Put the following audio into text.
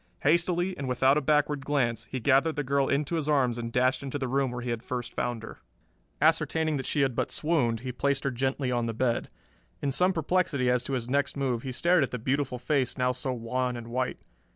Hastily and without a backward glance, he gathered the girl into his arms and dashed into the room where he had first found her. Ascertaining that she had but swooned he placed her gently on the bed. In some perplexity as to his next move he stared at the beautiful face now so wan and white.